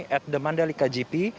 at the mandalika gp